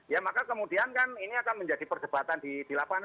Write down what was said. ya maka kemudian kan ini akan menjadi perdebatan di lapangan